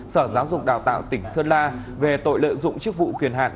sở giáo dục đào tạo tỉnh sơn la về tội lợi dụng chức vụ quyền hạn